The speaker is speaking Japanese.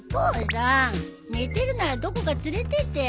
寝てるならどこか連れてってよ。